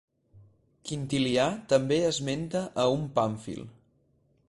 Quintilià també esmenta a un Pàmfil.